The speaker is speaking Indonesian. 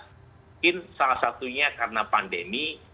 mungkin salah satunya karena pandemi